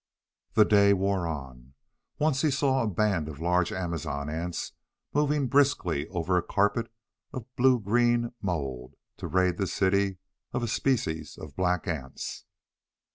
The day wore on. Once, he saw a band of large amazon ants moving briskly over a carpet of blue green mould to raid the city of a species of black ants.